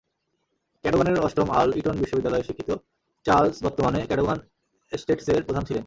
ক্যাডোগানের অষ্টম earl Eton বিশ্ববিদ্যালয়ে শিক্ষিত চার্লস বর্তমানে ক্যাডোগান এস্টেটসের প্রধান ছিলেন।